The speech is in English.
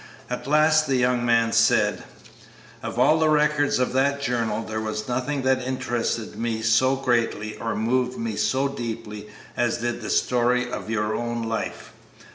At last the young man said, "Of all the records of that journal, there was nothing that interested me so greatly or moved me so deeply as did the story of your own life.